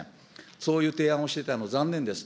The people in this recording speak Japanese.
そういう提案をしていたので残念です。